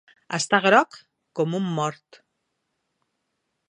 Està groc com un mort.